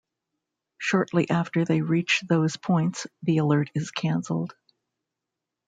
Shortly after they reach those points, the alert is canceled.